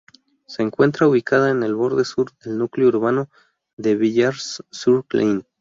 Se encuentra ubicada en el borde sur del núcleo urbano de Villars-sur-Glâne.